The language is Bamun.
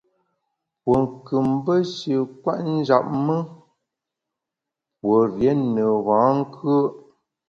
Pue nkù mbe shi nkwet njap me, pue rié ne bankùe’.